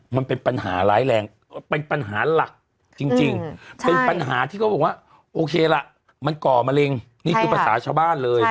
มันเป็นปัญหาร้ายแรงเป็นปัญหาหลักจริงเป็นปัญหาที่เขาบอกว่าโอเคล่ะมันก่อมะเร็งนี่คือภาษาชาวบ้านเลย